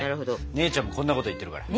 姉ちゃんもこんなこと言ってるから。